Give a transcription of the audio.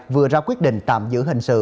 vừa ra quyết định tạm giữ hình sự